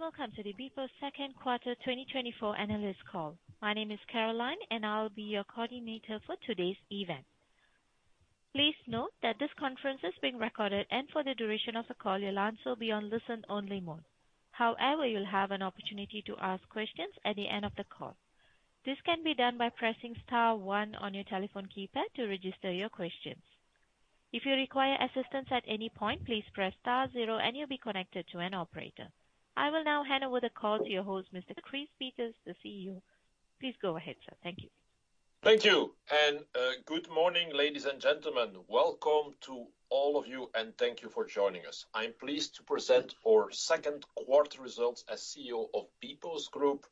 Welcome to the bpost second quarter 2024 analyst call. My name is Caroline, and I'll be your coordinator for today's event. Please note that this conference is being recorded, and for the duration of the call, your lines will be on listen-only mode. However, you'll have an opportunity to ask questions at the end of the call. This can be done by pressing star one on your telephone keypad to register your questions. If you require assistance at any point, please press star zero, and you'll be connected to an operator. I will now hand over the call to your host, Mr. Chris Peeters, the CEO. Please go ahead, sir. Thank you. Thank you. And good morning, ladies and gentlemen. Welcome all of you, and thank you for joining us. I'm pleased to present our second quarter results as CEO of bpostgroup.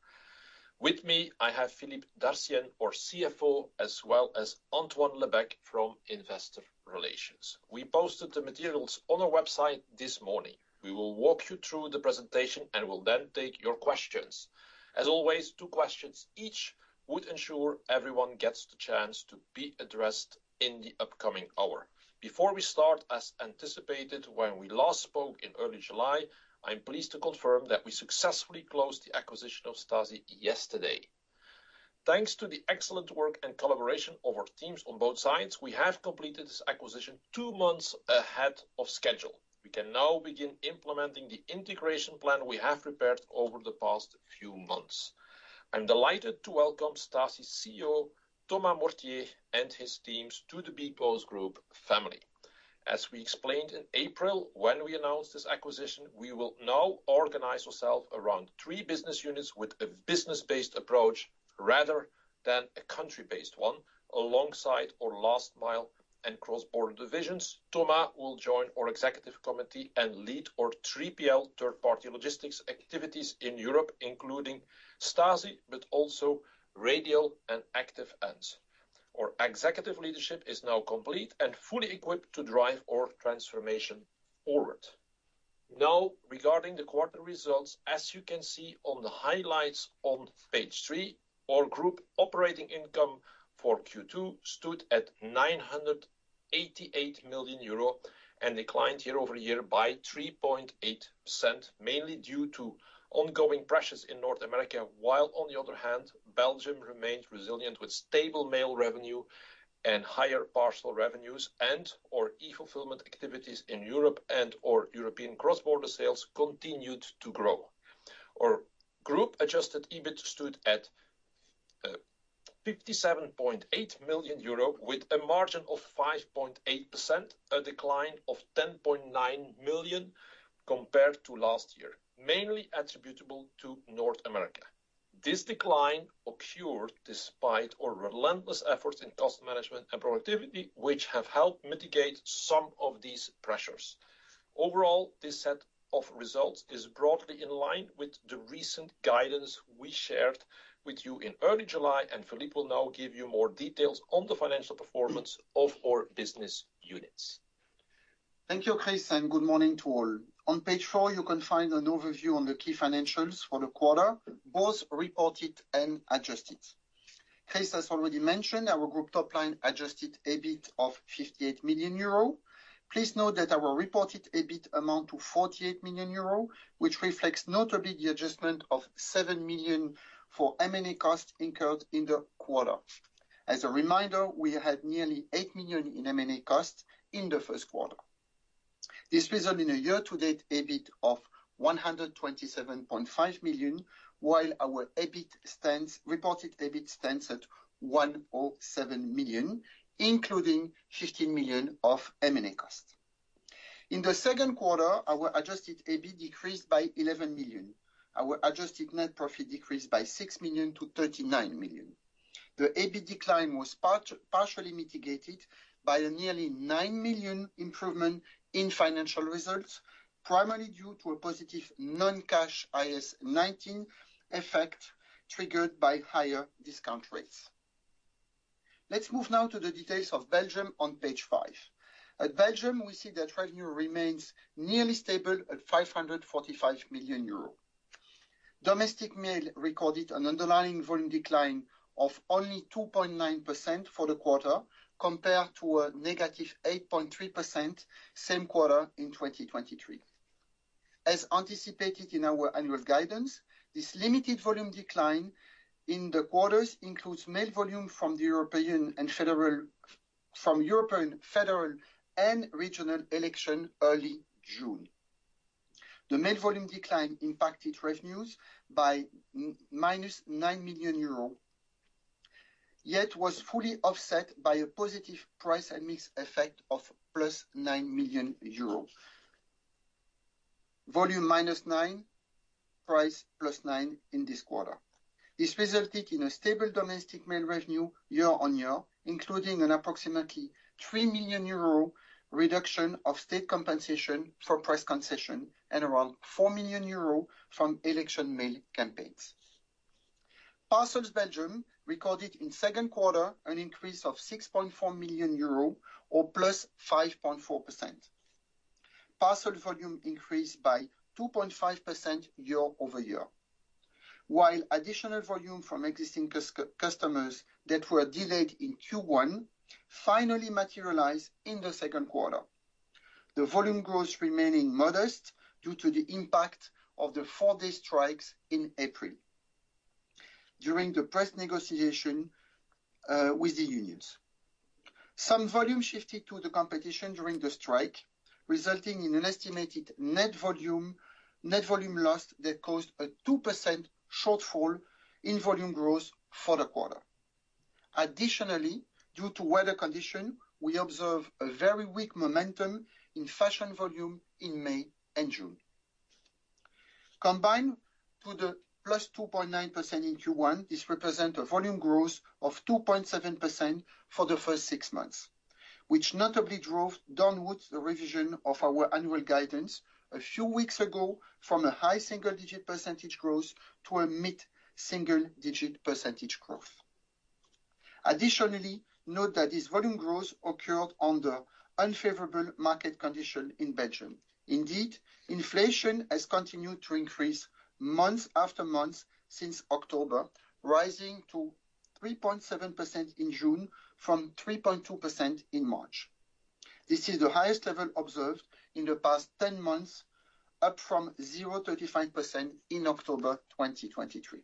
With me, I have Philippe Dartienne, our CFO, as well as Antoine Lebecq from Investor Relations. We posted the materials on our website this morning. We will walk you through the presentation and will then take your questions. As always, two questions each would ensure everyone gets the chance to be addressed in the upcoming hour. Before we start, as anticipated when we last spoke in early July, I'm pleased to confirm that we successfully closed the acquisition of Staci yesterday. Thanks to the excellent work and collaboration of our teams on both sides, we have completed this acquisition two months ahead of schedule. We can now begin implementing the integration plan we have prepared over the past few months. I'm delighted to welcome Staci's CEO, Thomas Mortier, and his teams to the bpostgroup family. As we explained in April when we announced this acquisition, we will now organize ourselves around three business units with a business-based approach rather than a country-based one, alongside our last-mile and cross-border divisions. Thomas will join our executive committee and lead our 3PL third-party logistics activities in Europe, including Staci, but also Radial and Active Ants. Our executive leadership is now complete and fully equipped to drive our transformation forward. Now, regarding the quarter results, as you can see on the highlights on page three, our group operating income for Q2 stood at 988 million euro and declined year-over-year by 3.8%, mainly due to ongoing pressures in North America, while, on the other hand, Belgium remained resilient with stable mail revenue and higher parcel revenues, and our e-fulfillment activities in Europe and our European cross-border sales continued to grow. Our group adjusted EBIT stood at 57.8 million euro with a margin of 5.8%, a decline of 10.9 million compared to last year, mainly attributable to North America. This decline occurred despite our relentless efforts in cost management and productivity, which have helped mitigate some of these pressures. Overall, this set of results is broadly in line with the recent guidance we shared with you in early July, and Philippe will now give you more details on the financial performance of our business units. Thank you, Chris, and good morning to all. On page four, you can find an overview on the key financials for the quarter, both reported and adjusted. Chris has already mentioned our group's top-line adjusted EBIT of 58 million euro. Please note that our reported EBIT amounted to 48 million euro, which reflects notably the adjustment of 7 million for M&A costs incurred in the quarter. As a reminder, we had nearly 8 million in M&A costs in the first quarter. This resulted in a year-to-date EBIT of 127.5 million, while our reported EBIT stands at 107 million, including 15 million of M&A costs. In the second quarter, our adjusted EBIT decreased by 11 million. Our adjusted net profit decreased by 6 million to 39 million. The EBIT decline was partially mitigated by a nearly 9 million improvement in financial results, primarily due to a positive non-cash IAS 19 effect triggered by higher discount rates. Let's move now to the details of Belgium on page five. At Belgium, we see that revenue remains nearly stable at 545 million euros. Domestic mail recorded an underlying volume decline of only 2.9% for the quarter, compared to a negative 8.3% same quarter in 2023. As anticipated in our annual guidance, this limited volume decline in the quarters includes mail volume from the European and federal and regional elections early June. The mail volume decline impacted revenues by 9 million euros yet was fully offset by a positive price and mix effect of 9 million euros volume minus nine, price plus nine in this quarter. This resulted in a stable domestic mail revenue year-over-year, including an approximately 3 million euro reduction of state compensation from press concession and around 4 million euro from election mail campaigns. Parcels Belgium recorded in second quarter an increase of 6.4 million euro or +5.4%. Parcel volume increased by 2.5% year-over-year, while additional volume from existing customers that were delayed in Q1 finally materialized in the second quarter. The volume growth remained modest due to the impact of the four-day strikes in April during the press negotiation with the unions. Some volume shifted to the competition during the strike, resulting in an estimated net volume loss that caused a 2% shortfall in volume growth for the quarter. Additionally, due to weather conditions, we observed a very weak momentum in fashion volume in May and June. Combined with the +2.9% in Q1, this represents a volume growth of 2.7% for the first six months, which notably drove downwards the revision of our annual guidance a few weeks ago from a high single-digit percentage growth to a mid-single-digit percentage growth. Additionally, note that this volume growth occurred under unfavorable market conditions in Belgium. Indeed, inflation has continued to increase month after month since October, rising to 3.7% in June from 3.2% in March. This is the highest level observed in the past 10 months, up from 0.35% in October 2023.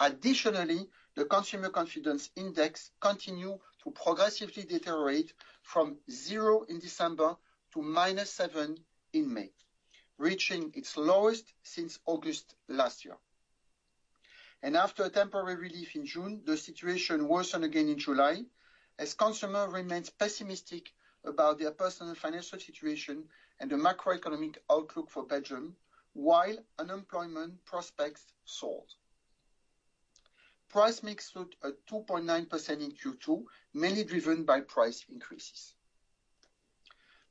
Additionally, the consumer confidence index continued to progressively deteriorate from 0% in December to -7% in May, reaching its lowest since August last year. After a temporary relief in June, the situation worsened again in July as consumers remained pessimistic about their personal financial situation and the macroeconomic outlook for Belgium, while unemployment prospects soared. Price mix stood at 2.9% in Q2, mainly driven by price increases.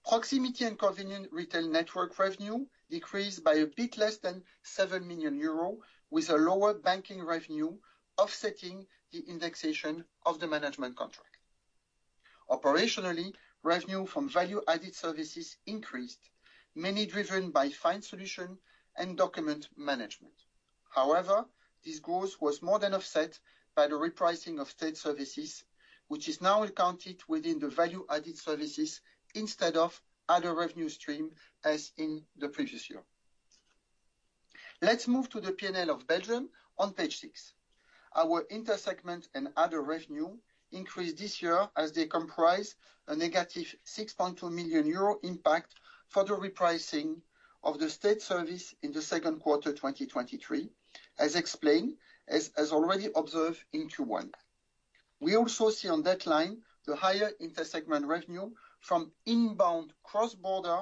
Proximity and convenient retail network revenue decreased by a bit less than 7 million euros, with a lower banking revenue offsetting the indexation of the management contract. Operationally, revenue from value-added services increased, mainly driven by fine solution and document management. However, this growth was more than offset by the repricing of state services, which is now accounted within the value-added services instead of other revenue streams as in the previous year. Let's move to the P&L of Belgium on page six. Our intersegment and other revenue increased this year as they comprise a -6.2 million euro impact for the repricing of the state service in the second quarter 2023, as explained, as already observed in Q1. We also see on that line the higher intersegment revenue from inbound cross-border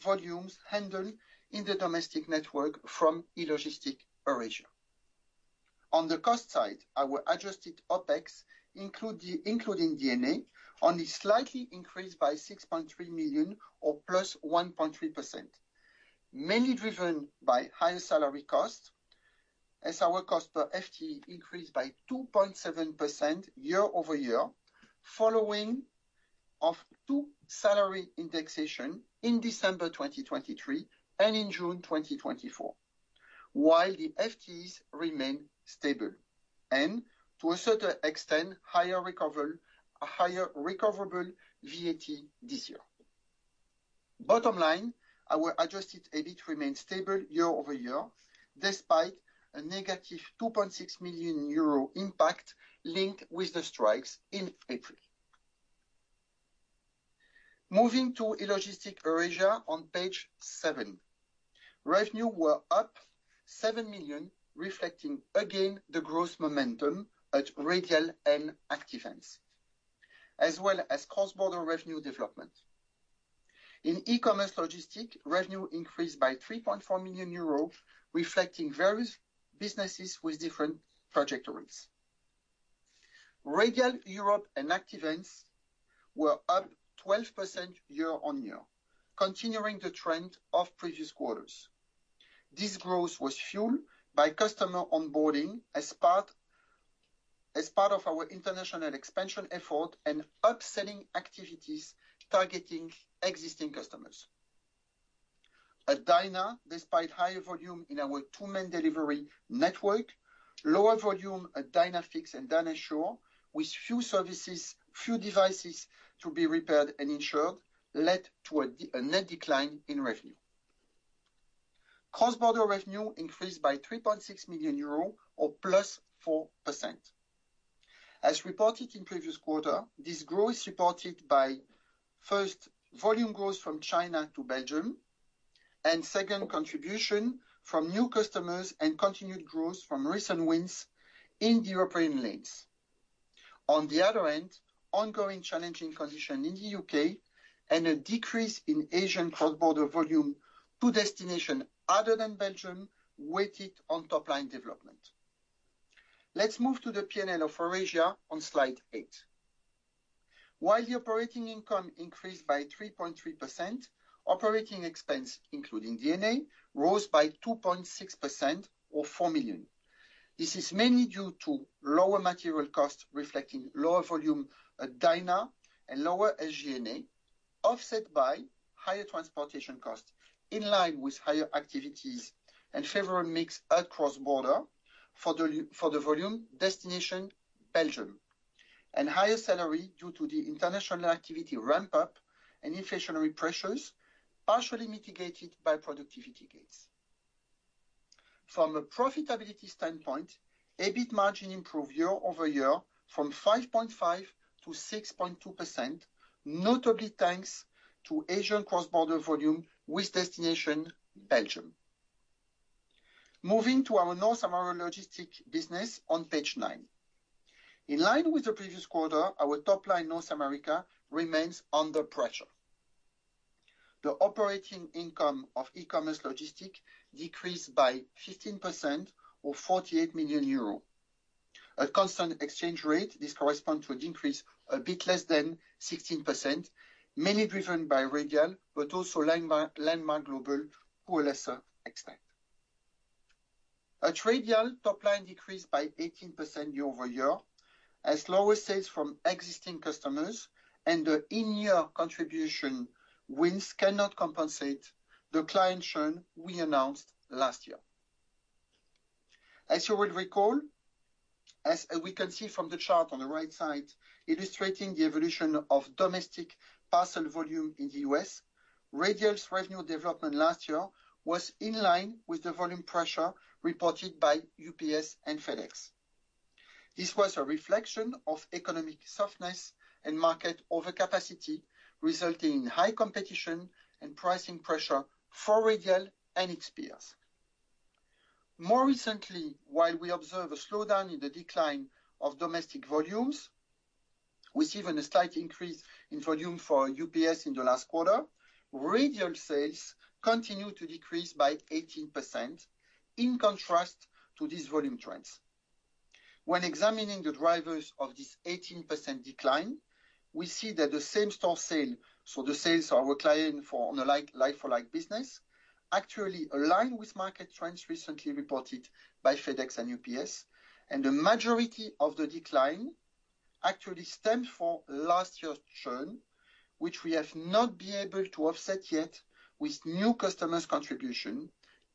volumes handled in the domestic network from E-logistic Eurasia. On the cost side, our adjusted OpEx, including D&A, only slightly increased by 6.3 million or +1.3%, mainly driven by higher salary costs, as our cost per FTE increased by 2.7% year-over-year, following two salary indexations in December 2023 and in June 2024, while the FTEs remained stable and, to a certain extent, higher recoverable VAT this year. Bottom line, our adjusted EBIT remained stable year-over-year, despite a -2.6 million euro impact linked with the strikes in April. Moving to E-logistics Eurasia on page seven, revenues were up 7 million, reflecting again the strong momentum at Radial and Active Ants, as well as cross-border revenue development. In e-commerce logistics, revenue increased by 3.4 million euros, reflecting various businesses with different trajectories. Radial Europe and Active Ants were up 12% year-on-year, continuing the trend of previous quarters. This growth was fueled by customer onboarding as part of our international expansion effort and upselling activities targeting existing customers. At Dyna, despite higher volume in our two-man delivery network, lower volume at Dynafix and Dynasure, with few devices to be repaired and insured, led to a net decline in revenue. Cross-border revenue increased by 3.6 million euros or +4%. As reported in previous quarter, this growth is supported by first, volume growth from China to Belgium, and second, contribution from new customers and continued growth from recent wins in the European lanes. On the other hand, ongoing challenging conditions in the U.K. and a decrease in Asian cross-border volume to destinations other than Belgium weighed on top-line development. Let's move to the P&L of Eurasia on slide eight. While the operating income increased by 3.3%, operating expense, including D&A, rose by 2.6% or 4 million. This is mainly due to lower material costs reflecting lower volume at Dyna and lower SG&A, offset by higher transportation costs in line with higher activities and favorable mix at cross-border for the volume destination Belgium, and higher salary due to the international activity ramp-up and inflationary pressures partially mitigated by productivity gains. From a profitability standpoint, EBIT margin improved year-over-year from 5.5% to 6.2%, notably thanks to Asian cross-border volume with destination Belgium. Moving to our North American logistics business on page nine. In line with the previous quarter, our top-line North America remains under pressure. The operating income of e-commerce logistics decreased by 15% or 48 million euro. At a constant exchange rate, this corresponds to a decrease a bit less than 16%, mainly driven by Radial, but also Landmark Global, to a lesser extent. At Radial, top-line decreased by 18% year-over-year, as lower sales from existing customers and the in-year contribution wins cannot compensate the client churn we announced last year. As you will recall, as we can see from the chart on the right side illustrating the evolution of domestic parcel volume in the U.S., Radial's revenue development last year was in line with the volume pressure reported by UPS and FedEx. This was a reflection of economic softness and market overcapacity, resulting in high competition and pricing pressure for Radial and its peers. More recently, while we observe a slowdown in the decline of domestic volumes, with even a slight increase in volume for UPS in the last quarter, Radial's sales continued to decrease by 18% in contrast to these volume trends. When examining the drivers of this 18% decline, we see that the same store sales, so the sales of our client for online life-for-life business, actually align with market trends recently reported by FedEx and UPS, and the majority of the decline actually stems from last year's churn, which we have not been able to offset yet with new customers' contribution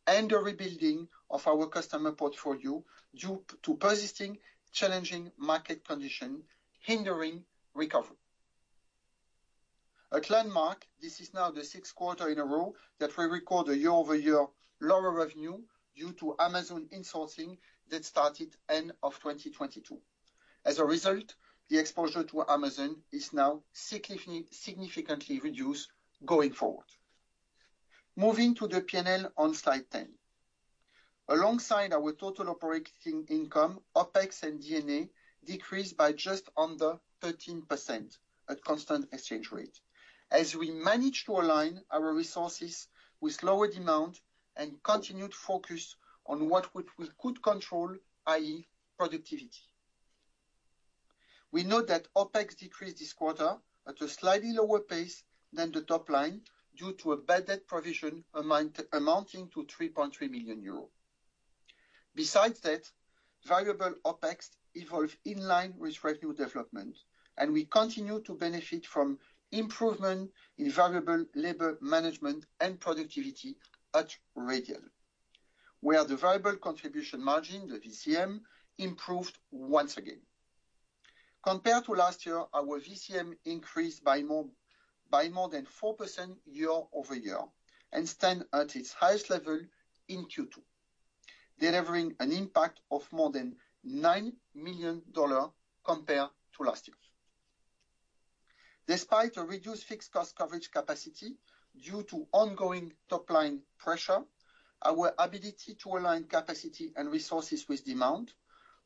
and the rebuilding of our customer portfolio due to persisting challenging market conditions hindering recovery. At Landmark, this is now the sixth quarter in a row that we record a year-over-year lower revenue due to Amazon insourcing that started at the end of 2022. As a result, the exposure to Amazon is now significantly reduced going forward. Moving to the P&L on slide 10. Alongside our total operating income, OpEx and D&A decreased by just under 13% at constant exchange rate, as we managed to align our resources with lower demand and continued focus on what we could control, i.e., productivity. We note that OpEx decreased this quarter at a slightly lower pace than the top line due to a bad debt provision amounting to €3.3 million. Besides that, variable OpEx evolved in line with revenue development, and we continue to benefit from improvement in variable labor management and productivity at Radial, where the variable contribution margin, the VCM, improved once again. Compared to last year, our VCM increased by more than 4% year-over-year and stands at its highest level in Q2, delivering an impact of more than $9 million compared to last year. Despite a reduced fixed cost coverage capacity due to ongoing top-line pressure, our ability to align capacity and resources with demand,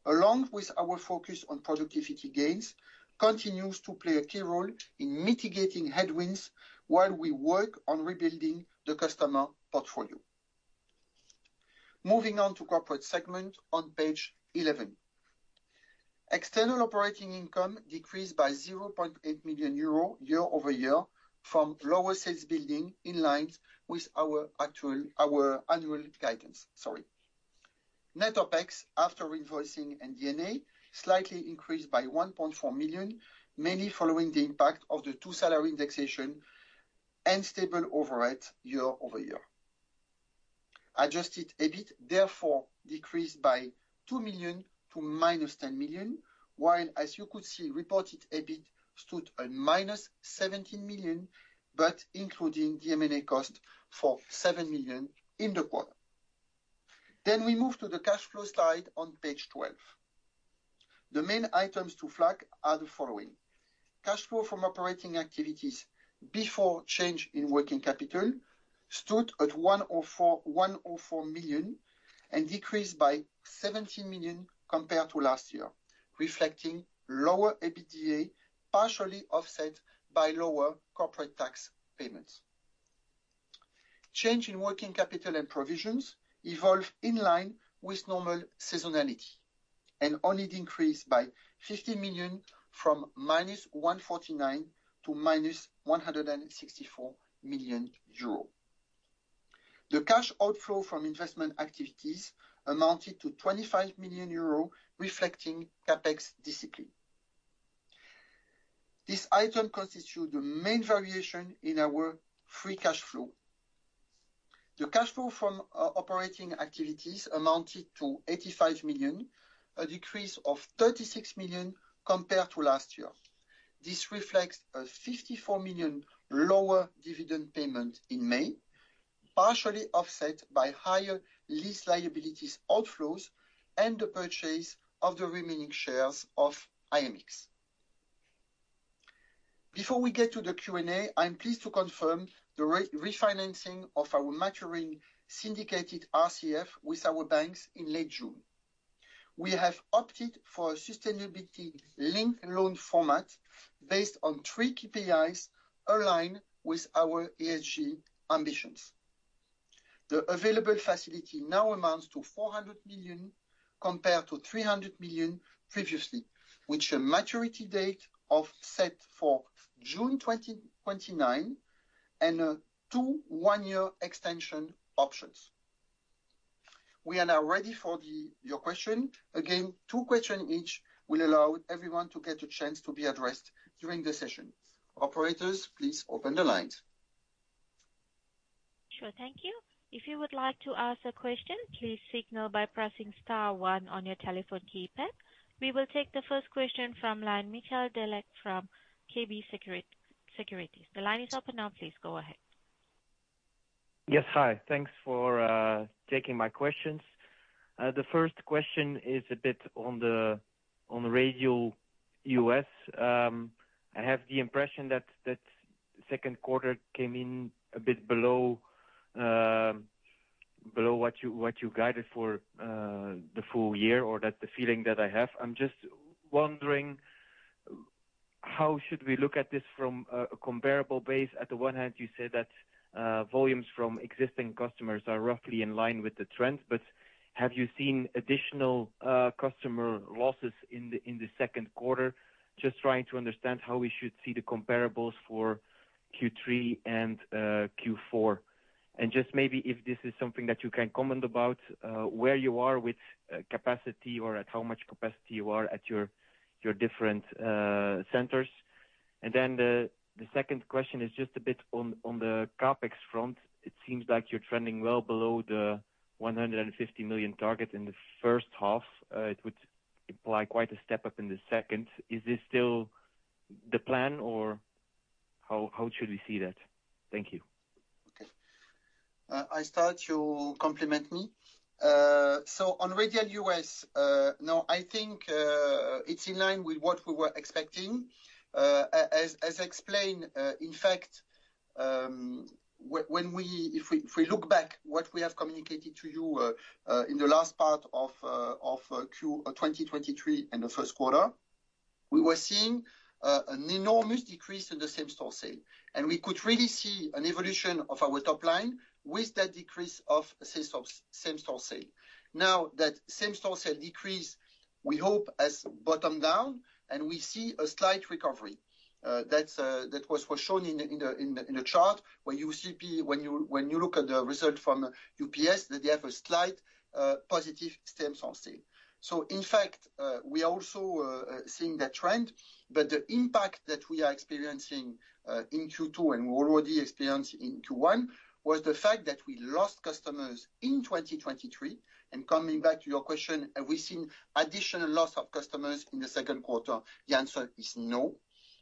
along with our focus on productivity gains, continues to play a key role in mitigating headwinds while we work on rebuilding the customer portfolio. Moving on to corporate segment on page 11. External operating income decreased by 0.8 million euro year-over-year from lower sales building in line with our annual guidance. Sorry. Net OpEx, after invoicing and D&A, slightly increased by 1.4 million, mainly following the impact of the 2% salary indexation and stable overhead year-over-year. Adjusted EBIT, therefore, decreased by 2 million to -10 million, while, as you could see, reported EBIT stood at -17 million, but including D&A cost for 7 million in the quarter. Then we move to the cash flow slide on page 12. The main items to flag are the following: cash flow from operating activities before change in working capital stood at 104 million and decreased by 17 million compared to last year, reflecting lower EBITDA partially offset by lower corporate tax payments. Change in working capital and provisions evolved in line with normal seasonality and only decreased by 15 million from -149 million to -164 million euro. The cash outflow from investment activities amounted to 25 million euros, reflecting CapEx discipline. This item constitutes the main variation in our free cash flow. The cash flow from operating activities amounted to 85 million, a decrease of 36 million compared to last year. This reflects a 54 million lower dividend payment in May, partially offset by higher lease liabilities outflows and the purchase of the remaining shares of IMX. Before we get to the Q&A, I'm pleased to confirm the refinancing of our maturing syndicated RCF with our banks in late June. We have opted for a sustainability-linked loan format based on three KPIs aligned with our ESG ambitions. The available facility now amounts to 400 million compared to 300 million previously, with a maturity date set for June 2029 and two one-year extension options. We are now ready for your question. Again, two questions each will allow everyone to get a chance to be addressed during the session. Operators, please open the lines. Sure, thank you. If you would like to ask a question, please signal by pressing star one on your telephone keypad. We will take the first question from Michiel Declercq from KBC Securities. The line is open now. Please go ahead. Yes, hi. Thanks for taking my questions. The first question is a bit on the Radial U.S. I have the impression that the second quarter came in a bit below what you guided for the full year, or that's the feeling that I have. I'm just wondering how should we look at this from a comparable base? On the one hand, you said that volumes from existing customers are roughly in line with the trend, but have you seen additional customer losses in the second quarter? Just trying to understand how we should see the comparables for Q3 and Q4. And just maybe if this is something that you can comment about, where you are with capacity or at how much capacity you are at your different centers. And then the second question is just a bit on the CapEx front. It seems like you're trending well below the 150 million target in the first half. It would imply quite a step up in the second. Is this still the plan, or how should we see that? Thank you. Okay. I'll start to comment. So on Radial U.S., no, I think it's in line with what we were expecting. As explained, in fact, if we look back at what we have communicated to you in the last part of 2023 and the first quarter, we were seeing an enormous decrease in the same store sale. And we could really see an evolution of our top line with that decrease of the same store sale. Now that same store sale decrease, we hope, has bottomed out, and we see a slight recovery. That was shown in the chart where you see, when you look at the result from UPS, that they have a slight positive same store sale. So in fact, we are also seeing that trend, but the impact that we are experiencing in Q2, and we already experienced in Q1 was the fact that we lost customers in 2023. Coming back to your question, have we seen additional loss of customers in the second quarter? The answer is no.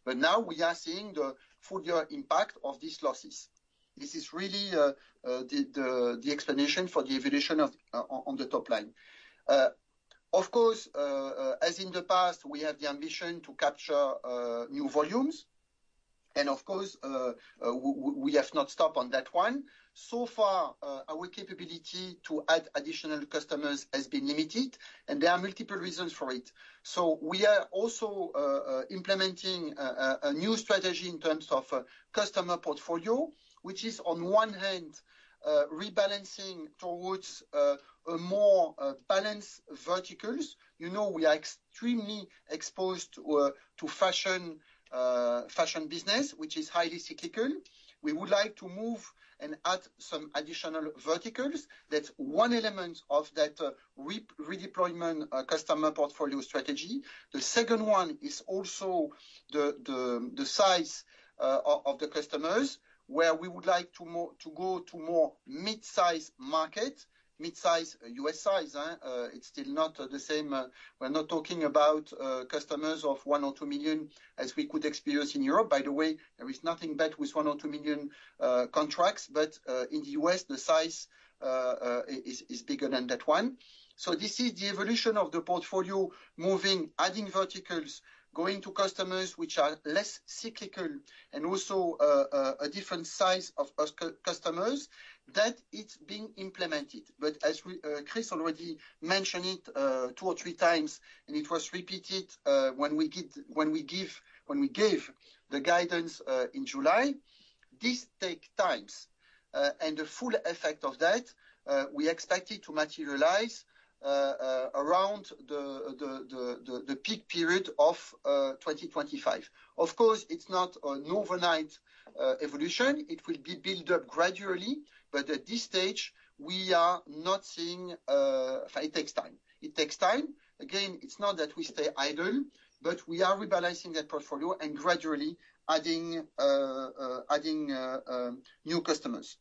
But now we are seeing the full-year impact of these losses. This is really the explanation for the evolution on the top line. Of course, as in the past, we have the ambition to capture new volumes. Of course, we have not stopped on that one. So far, our capability to add additional customers has been limited, and there are multiple reasons for it. So we are also implementing a new strategy in terms of customer portfolio, which is, on one hand, rebalancing towards more balanced verticals. You know we are extremely exposed to fashion business, which is highly cyclical. We would like to move and add some additional verticals. That's one element of that redeployment customer portfolio strategy. The second one is also the size of the customers, where we would like to go to more mid-size markets, mid-size U.S. size. It's still not the same. We're not talking about customers of 1 million or 2 million as we could experience in Europe. By the way, there is nothing bad with 1 million or 2 million contracts, but in the U.S., the size is bigger than that one. So this is the evolution of the portfolio, moving, adding verticals, going to customers which are less cyclical, and also a different size of customers that it's being implemented. But as Chris already mentioned it two or three times, and it was repeated when we gave the guidance in July. This takes time. And the full effect of that, we expect it to materialize around the peak period of 2025. Of course, it's not an overnight evolution. It will be built up gradually. But at this stage, we are not seeing it takes time. It takes time. Again, it's not that we stay idle, but we are rebalancing that portfolio and gradually adding new customers.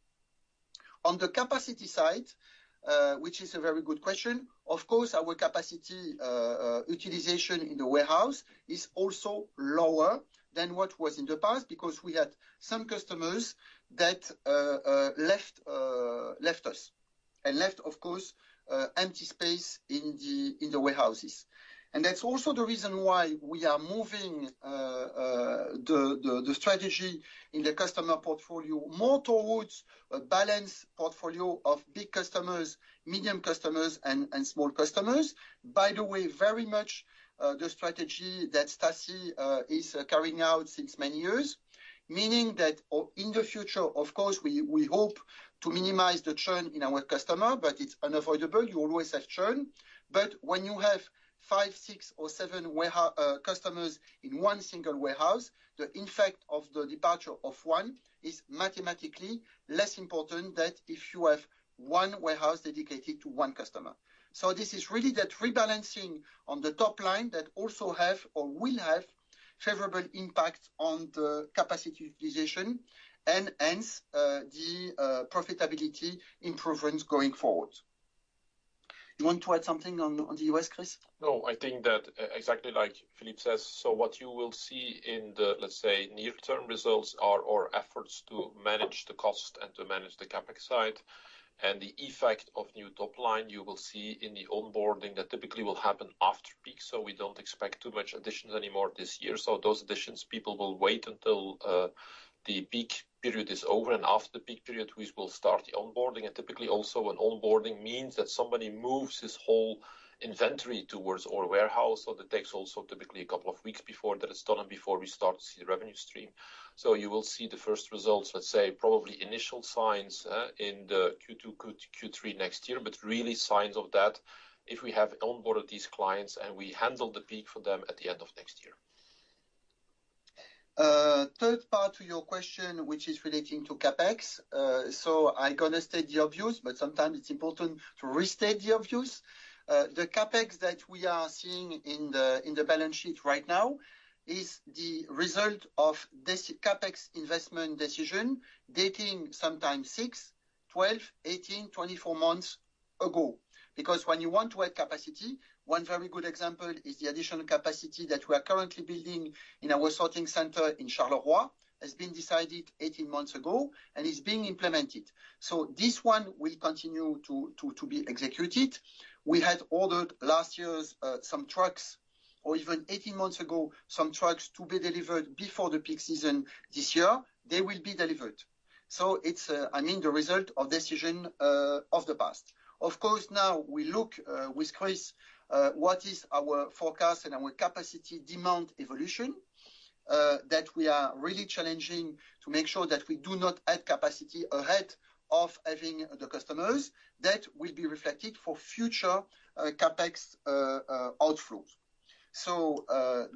On the capacity side, which is a very good question, of course, our capacity utilization in the warehouse is also lower than what was in the past because we had some customers that left us and left, of course, empty space in the warehouses. And that's also the reason why we are moving the strategy in the customer portfolio more towards a balanced portfolio of big customers, medium customers, and small customers, by the way, very much the strategy that Staci is carrying out since many years, meaning that in the future, of course, we hope to minimize the churn in our customer, but it's unavoidable. You always have churn. But when you have five, six, or seven customers in one single warehouse, the impact of the departure of one is mathematically less important than if you have one warehouse dedicated to one customer. So this is really that rebalancing on the top line that also has or will have a favorable impact on the capacity utilization and hence the profitability improvements going forward. You want to add something on the U.S., Chris? No, I think that exactly like Philippe says. So what you will see in the, let's say, near-term results are our efforts to manage the cost and to manage the CapEx side. And the effect of new top line, you will see in the onboarding that typically will happen after peak. So we don't expect too much additions anymore this year. So those additions, people will wait until the peak period is over. And after the peak period, we will start the onboarding. And typically, also, an onboarding means that somebody moves his whole inventory towards our warehouse. So that takes also typically a couple of weeks before that it's done and before we start to see the revenue stream. So you will see the first results, let's say, probably initial signs in the Q2, Q3 next year, but really signs of that if we have onboarded these clients and we handle the peak for them at the end of next year. Third part to your question, which is relating to CapEx. So I'm going to state the obvious, but sometimes it's important to restate the obvious. The CapEx that we are seeing in the balance sheet right now is the result of this CapEx investment decision dating sometime 6, 12, 18, 24 months ago. Because when you want to add capacity, one very good example is the additional capacity that we are currently building in our sorting center in Charleroi has been decided 18 months ago and is being implemented. So this one will continue to be executed. We had ordered last year's some trucks, or even 18 months ago, some trucks to be delivered before the peak season this year. They will be delivered. So it's, I mean, the result of decision of the past. Of course, now we look with Chris what is our forecast and our capacity demand evolution that we are really challenging to make sure that we do not add capacity ahead of having the customers that will be reflected for future CapEx outflows. So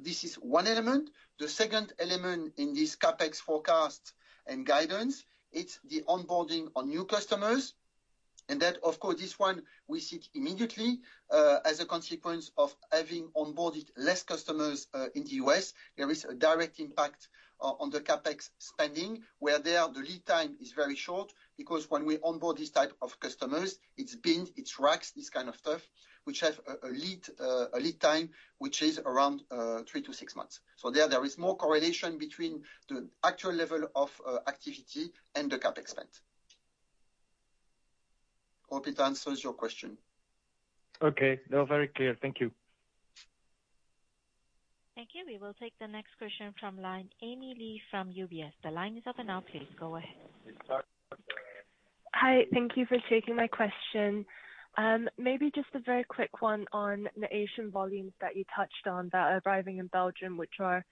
this is one element. The second element in this CapEx forecast and guidance, it's the onboarding on new customers. And that, of course, this one we see immediately as a consequence of having onboarded less customers in the U.S. There is a direct impact on the CapEx spending where the lead time is very short because when we onboard these types of customers, it's bins, it's racks, it's kind of stuff which have a lead time which is around three to six months. So there is more correlation between the actual level of activity and the CapEx spend. Hope it answers your question. Okay. No, very clear. Thank you. Thank you. We will take the next question from Amy Li from UBS. The line is up and out, please. Go ahead. Hi. Thank you for taking my question. Maybe just a very quick one on the Asian volumes that you touched on that are arriving in Belgium, which are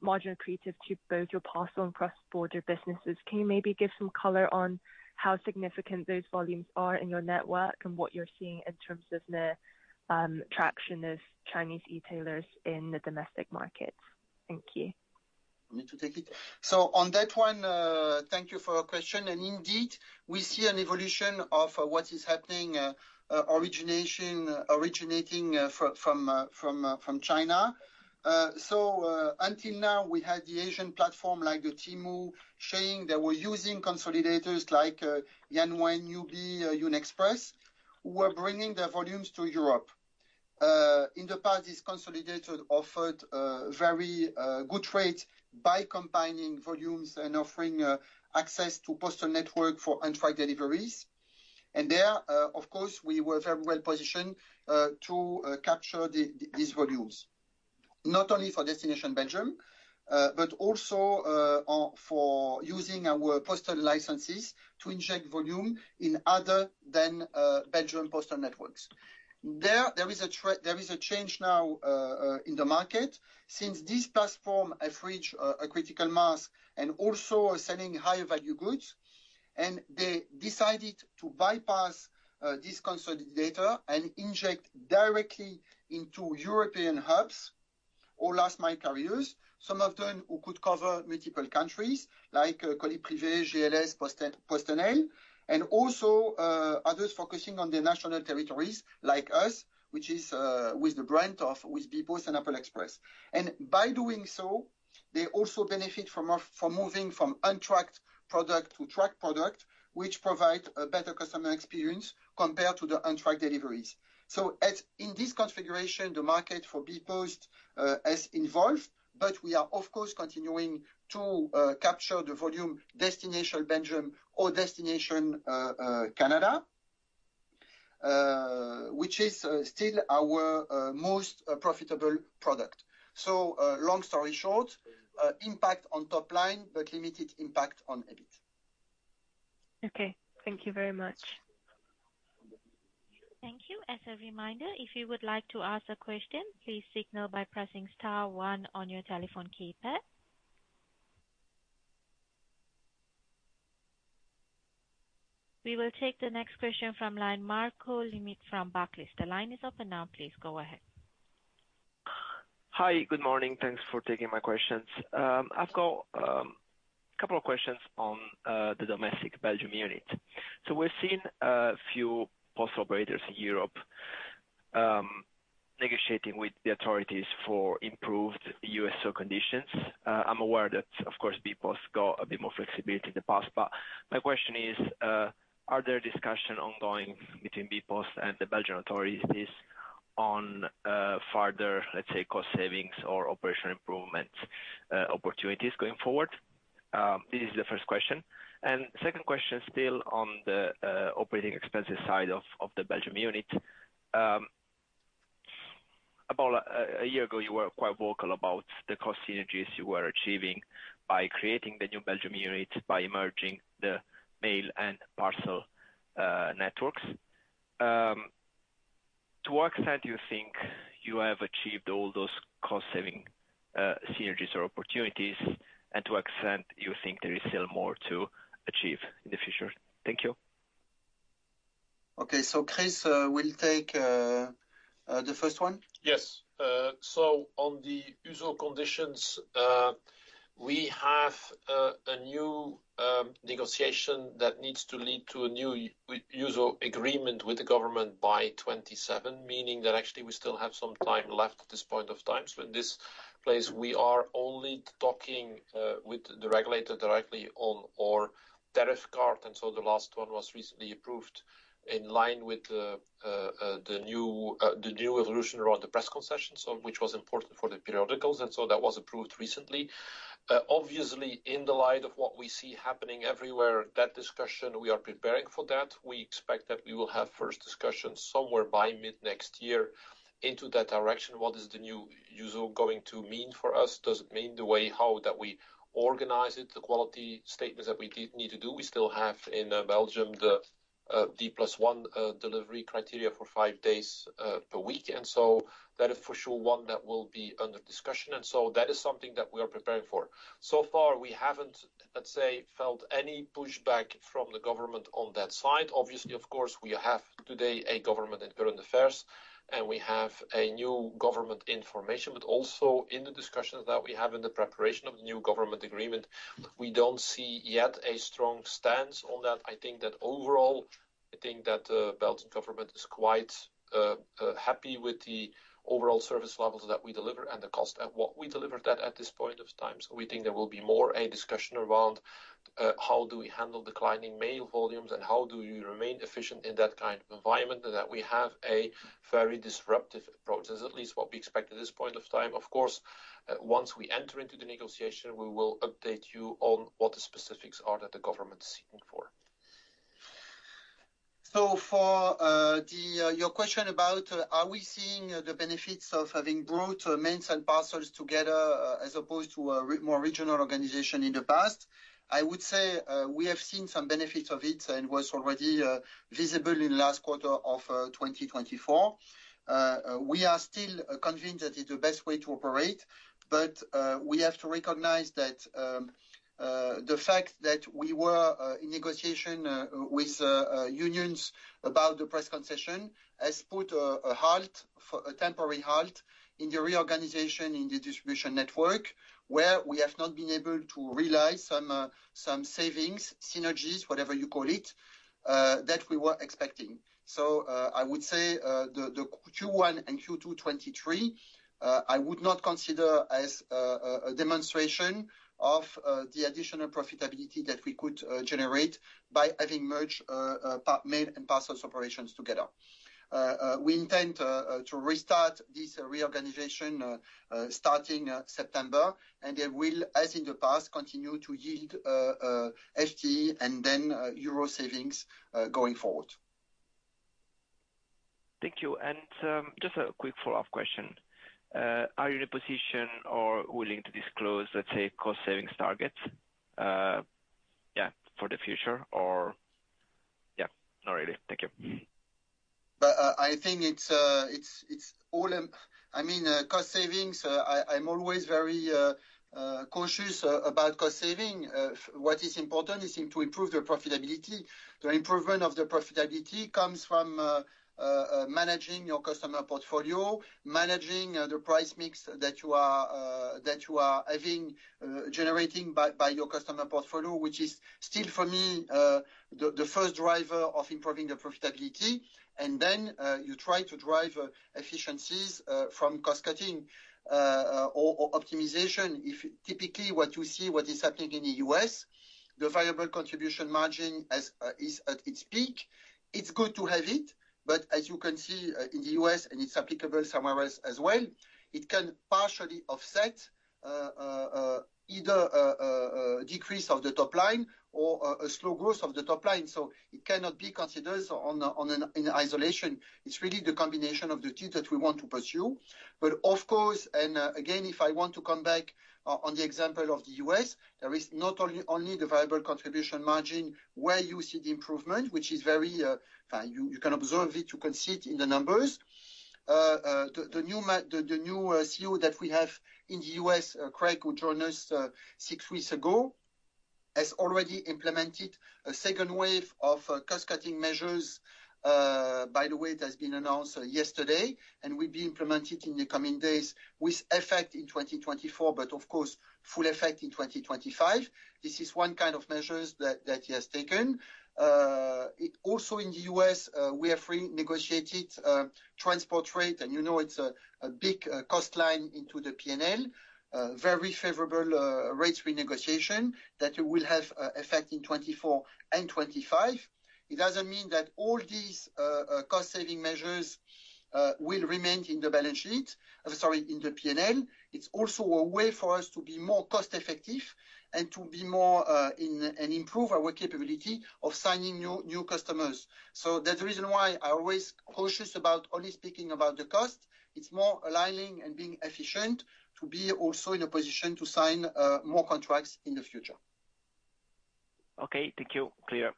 margin creative to both your parcel and cross-border businesses. Can you maybe give some color on how significant those volumes are in your network and what you're seeing in terms of the traction of Chinese retailers in the domestic markets? Thank you. I'm going to take it. So on that one, thank you for your question. And indeed, we see an evolution of what is happening, originating from China. So until now, we had the Asian platform like the Temu showing that we're using consolidators like Yanwen, UBI, YunExpress, who are bringing their volumes to Europe. In the past, these consolidators offered very good rates by combining volumes and offering access to postal network for on-track deliveries. And there, of course, we were very well positioned to capture these volumes, not only for destination Belgium, but also for using our postal licenses to inject volume in other than Belgium postal networks. There is a change now in the market since these platforms have reached a critical mass and also are selling higher value goods. They decided to bypass this consolidator and inject directly into European hubs or last-mile carriers, some of them who could cover multiple countries like Colis Privé, GLS, PostNL, and also others focusing on the national territories like us, which is with the brand of bpost and Apple Express. By doing so, they also benefit from moving from untracked product to tracked product, which provides a better customer experience compared to the untracked deliveries. In this configuration, the market for bpost has evolved, but we are, of course, continuing to capture the volume destination Belgium or destination Canada, which is still our most profitable product. So long story short, impact on top line, but limited impact on EBIT. Okay. Thank you very much. Thank you. As a reminder, if you would like to ask a question, please signal by pressing star one on your telephone keypad. We will take the next question from Marco Limite from Barclays. The line is up and now, please go ahead. Hi. Good morning. Thanks for taking my questions. I've got a couple of questions on the domestic Belgium unit. So we've seen a few postal operators in Europe negotiating with the authorities for improved USO conditions. I'm aware that, of course, bpost got a bit more flexibility in the past, but my question is, are there discussions ongoing between bpost and the Belgian authorities on further, let's say, cost savings or operational improvement opportunities going forward? This is the first question. And second question still on the operating expenses side of the Belgium unit. About a year ago, you were quite vocal about the cost synergies you were achieving by creating the new Belgium unit, by merging the mail and parcel networks. To what extent do you think you have achieved all those cost-saving synergies or opportunities, and to what extent do you think there is still more to achieve in the future? Thank you. Okay. So Chris, will take the first one. Yes. So, on the USO conditions, we have a new negotiation that needs to lead to a new USO agreement with the government by 2027, meaning that actually we still have some time left at this point of time. So in this place, we are only talking with the regulator directly on our tariff card. And so the last one was recently approved in line with the new evolution around the press concessions, which was important for the periodicals. That was approved recently. Obviously, in the light of what we see happening everywhere, that discussion. We are preparing for that. We expect that we will have first discussions somewhere by mid-next year into that direction. What is the new USO going to mean for us? Does it mean the way how that we organize it, the quality statements that we need to do? We still have in Belgium the D+1 delivery criteria for five days per week. That is for sure one that will be under discussion. That is something that we are preparing for. So far, we haven't, let's say, felt any pushback from the government on that side. Obviously, of course, we have today a government and current affairs, and we have a new government information. But also in the discussions that we have in the preparation of the new government agreement, we don't see yet a strong stance on that. I think that overall, I think that the Belgian government is quite happy with the overall service levels that we deliver and the cost at what we delivered at this point of time. So we think there will be more a discussion around how do we handle declining mail volumes and how do we remain efficient in that kind of environment that we have a very disruptive approach. That's at least what we expect at this point of time. Of course, once we enter into the negotiation, we will update you on what the specifics are that the government is seeking for. So for your question about are we seeing the benefits of having brought mail and parcels together as opposed to a more regional organization in the past, I would say we have seen some benefits of it, and it was already visible in the last quarter of 2024. We are still convinced that it's the best way to operate, but we have to recognize that the fact that we were in negotiations with unions about the press concession has put a temporary halt in the reorganization in the distribution network where we have not been able to realize some savings, synergies, whatever you call it, that we were expecting. So I would say the Q1 and Q2 2023, I would not consider as a demonstration of the additional profitability that we could generate by having merged mail and parcels operations together. We intend to restart this reorganization starting September, and it will, as in the past, continue to yield FTE and then Euro savings going forward. Thank you. And just a quick follow-up question. Are you in a position or willing to disclose, let's say, cost savings targets? Yeah, for the future or yeah, not really. Thank you. But I think it's all, I mean, cost savings, I'm always very cautious about cost saving. What is important is to improve the profitability. The improvement of the profitability comes from managing your customer portfolio, managing the price mix that you are having generated by your customer portfolio, which is still, for me, the first driver of improving the profitability. And then you try to drive efficiencies from cost-cutting or optimization. Typically, what you see, what is happening in the US, the variable contribution margin is at its peak. It's good to have it, but as you can see in the U.S., and it's applicable somewhere else as well, it can partially offset either a decrease of the top line or a slow growth of the top line. So it cannot be considered in isolation. It's really the combination of the two that we want to pursue. But of course, and again, if I want to come back on the example of the U.S., there is not only the variable contribution margin where you see the improvement, which is very, you can observe it, you can see it in the numbers. The new CEO that we have in the U.S., Craig, who joined us six weeks ago, has already implemented a second wave of cost-cutting measures. By the way, it has been announced yesterday, and will be implemented in the coming days with effect in 2024, but of course, full effect in 2025. This is one kind of measures that he has taken. Also in the U.S., we have renegotiated transport rate, and you know it's a big cost line into the P&L, very favorable rates renegotiation that will have effect in 2024 and 2025. It doesn't mean that all these cost-saving measures will remain in the balance sheet, sorry, in the P&L. It's also a way for us to be more cost-effective and to be more and improve our capability of signing new customers. So that's the reason why I'm always cautious about only speaking about the cost. It's more aligning and being efficient to be also in a position to sign more contracts in the future. Okay. Thank you. Clear.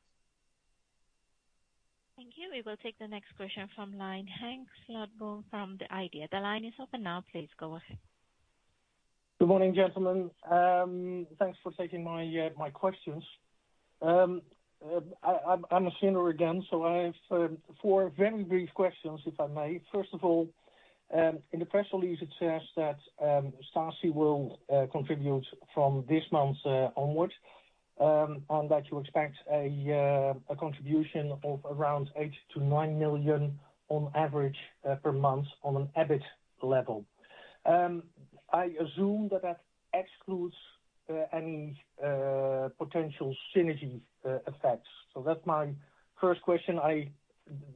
Thank you. We will take the next question from Henk Slotboom from The IDEA. The line is up and now, please go ahead. Good morning, gentlemen. Thanks for taking my questions. I'm a senior again, so I have four very brief questions, if I may. First of all, in the press release, it says that Staci will contribute from this month onward and that you expect a contribution of around 8 million-9 million on average per month on an EBIT level. I assume that that excludes any potential synergy effects. So that's my first question. I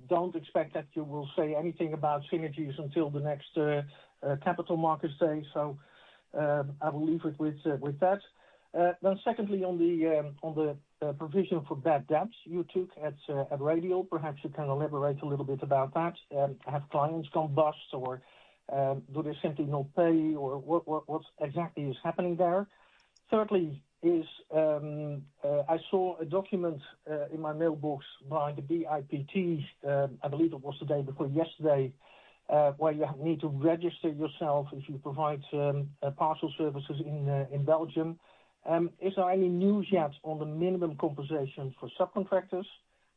don't expect that you will say anything about synergies until the next Capital Markets Day. So I will leave it with that. Then secondly, on the provision for bad debts you took at Radial, perhaps you can elaborate a little bit about that. Have clients gone bust, or do they simply not pay, or what exactly is happening there? Thirdly, I saw a document in my mailbox by the BIPT, I believe it was the day before yesterday, where you need to register yourself if you provide parcel services in Belgium. Is there any news yet on the minimum compensation for subcontractors?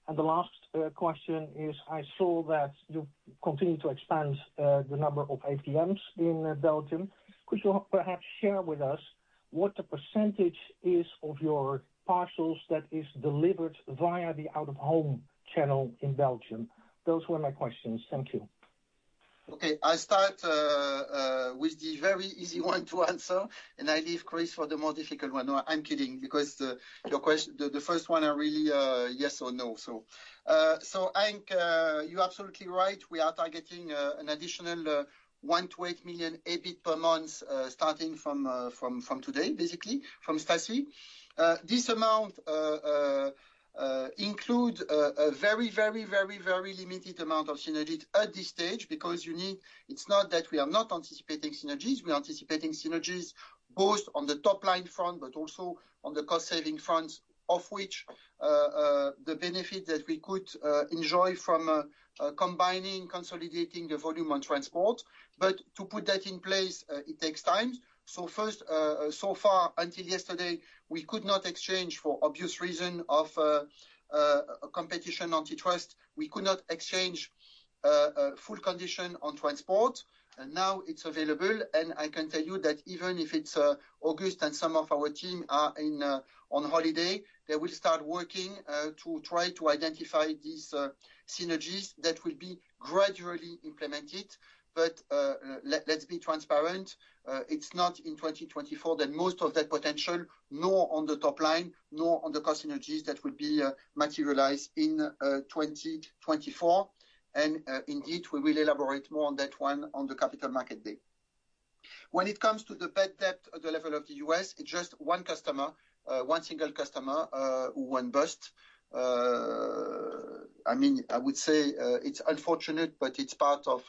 And the last question is, I saw that you continue to expand the number of APMs in Belgium. Could you perhaps share with us what the percentage is of your parcels that is delivered via the out-of-home channel in Belgium? Those were my questions. Thank you. Okay. I start with the very easy one to answer, and I leave Chris for the more difficult one. I'm kidding because the first one I really, yes or no. So Henk, you're absolutely right. We are targeting an additional 1 million-8 million EBIT per month starting from today, basically, from Staci. This amount includes a very, very, very, very limited amount of synergy at this stage because it's not that we are not anticipating synergies. We are anticipating synergies both on the top line front, but also on the cost-saving fronts, of which the benefit that we could enjoy from combining, consolidating the volume on transport. But to put that in place, it takes time. So far, until yesterday, we could not exchange for obvious reasons of competition antitrust. We could not exchange full condition on transport. And now it's available. And I can tell you that even if it's August and some of our team are on holiday, they will start working to try to identify these synergies that will be gradually implemented. But let's be transparent, it's not in 2024 that most of that potential, nor on the top line, nor on the cost synergies that will be materialized in 2024. And indeed, we will elaborate more on that one on the Capital Markets Day. When it comes to the bad debt at the level of the U.S., it's just one customer, one single customer who went bust. I mean, I would say it's unfortunate, but it's part of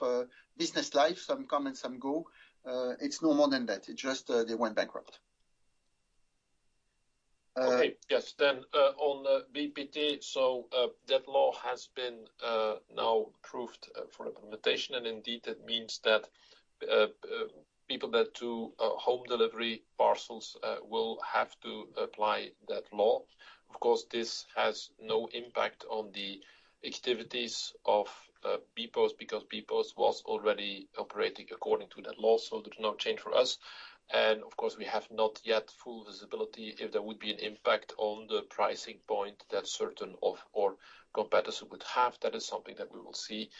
business life. Some come and some go. It's no more than that. It's just they went bankrupt. Okay. Yes. Then on BIPT, so that law has been now approved for implementation. And indeed, that means that people that do home delivery parcels will have to apply that law. Of course, this has no impact on the activities of bpost because bpost was already operating according to that law. So there's no change for us. And of course, we have not yet full visibility if there would be an impact on the pricing point that certain or competitors would have. That is something that we will see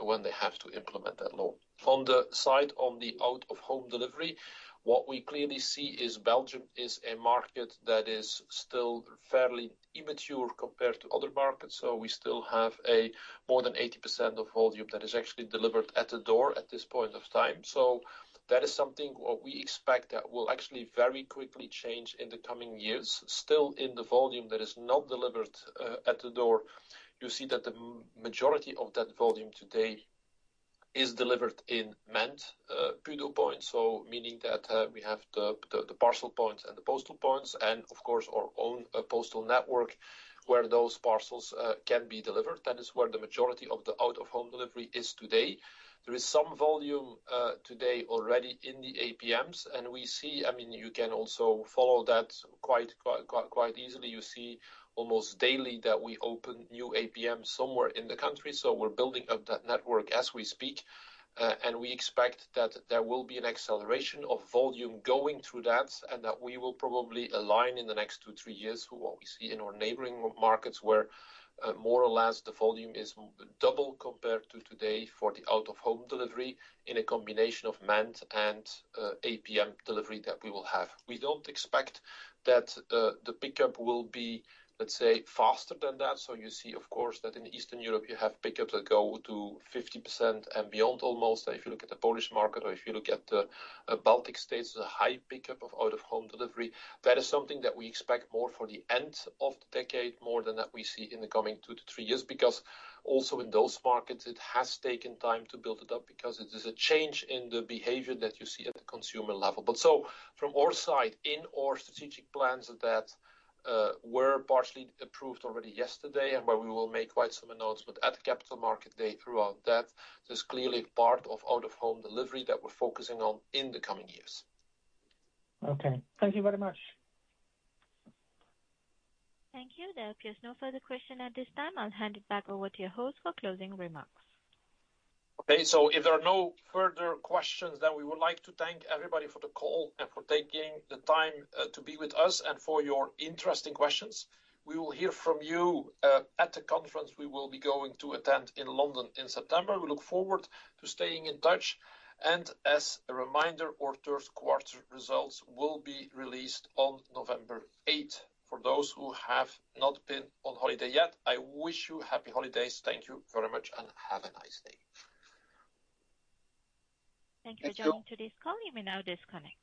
when they have to implement that law. On the side on the out-of-home delivery, what we clearly see is Belgium is a market that is still fairly immature compared to other markets. So we still have more than 80% of volume that is actually delivered at the door at this point of time. So that is something we expect that will actually very quickly change in the coming years. Still in the volume that is not delivered at the door, you see that the majority of that volume today is delivered in main PUDO points, so meaning that we have the parcel points and the postal points and, of course, our own postal network where those parcels can be delivered. That is where the majority of the out-of-home delivery is today. There is some volume today already in the APMs, and we see, I mean, you can also follow that quite easily. You see almost daily that we open new APMs somewhere in the country. So we're building up that network as we speak. We expect that there will be an acceleration of volume going through that and that we will probably align in the next two to three years to what we see in our neighboring markets where more or less the volume is double compared to today for the out-of-home delivery in a combination of manned and APM delivery that we will have. We don't expect that the pickup will be, let's say, faster than that. So you see, of course, that in Eastern Europe, you have pickups that go to 50% and beyond almost. If you look at the Polish market or if you look at the Baltic states, there's a high pickup of out-of-home delivery. That is something that we expect more for the end of the decade, more than that we see in the coming two to three years because also in those markets, it has taken time to build it up because it is a change in the behavior that you see at the consumer level. But so from our side, in our strategic plans that were partially approved already yesterday and where we will make quite some announcements at the Capital Markets Day throughout that, there's clearly part of out-of-home delivery that we're focusing on in the coming years. Okay. Thank you very much. Thank you. There appears no further question at this time. I'll hand it back over to your host for closing remarks. Okay. So if there are no further questions, then we would like to thank everybody for the call and for taking the time to be with us and for your interesting questions. We will hear from you at the conference we will be going to attend in London in September. We look forward to staying in touch. As a reminder, our third-quarter results will be released on November 8th. For those who have not been on holiday yet, I wish you happy holidays. Thank you very much, and have a nice day. Thank you for joining today's call. You may now disconnect.